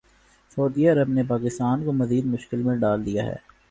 سعودی Arab نے پاکستان کو مزید مشکل میں ڈال دیا ہے